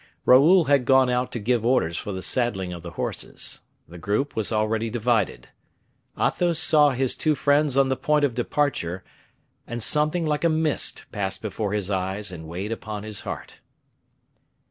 Raoul had gone out to give orders for the saddling of the horses. The group was already divided. Athos saw his two friends on the point of departure, and something like a mist passed before his eyes and weighed upon his heart.